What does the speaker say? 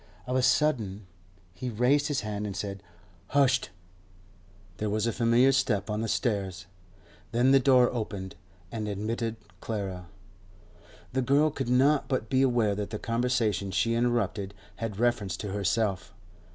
Of a sudden he raised his hand, and said, 'Husht!' There was a familiar step on the stairs. Then the door opened and admitted Clara. The girl could not but be aware that the conversation she interrupted had reference to herself.